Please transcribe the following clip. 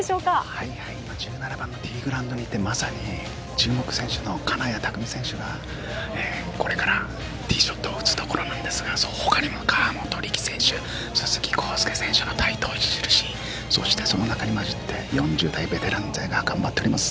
はいはい、１７番のティーグラウンドにいて、まさに注目選手の金谷拓実選手が、これからティーショットを打つところなんですが、ほかにも河本力選手、鈴木晃祐選手、そしてその中にまじって、４０代ベテラン勢が頑張っております。